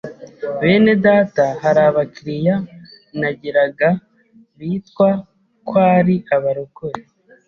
Bene data hari aba clients nagiraga bitwa ko ari abarokore